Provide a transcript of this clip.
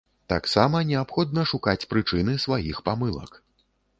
Таксама неабходна шукаць прычыны сваіх памылак.